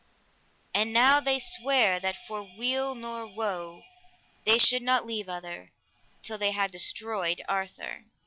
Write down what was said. And now they sware that for weal nor woe, they should not leave other, till they had destroyed Arthur.